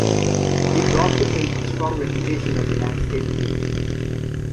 He brought with him a strong reputation as a landscape painter.